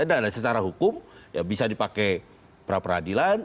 ada secara hukum bisa dipakai pra peradilan